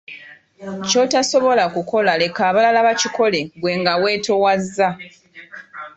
Ky'otasobola kukola leka abalala bakikole ggwe nga wetoowaza.